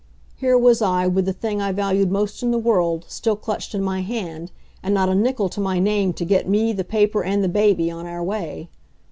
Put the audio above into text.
Here was I with the thing I valued most in the world still clutched in my hand, and not a nickel to my name to get me, the paper, and the baby on our way.